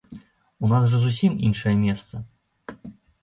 У нас жа зусім іншае месца.